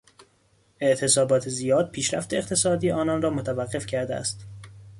اعتصابات زیاد پیشرفت اقتصادی آنان را متوقف کرده است.